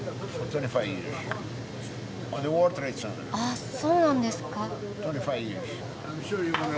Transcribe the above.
あっそうなんですか。